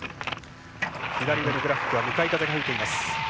左上のグラフィックは向かい風が吹いています。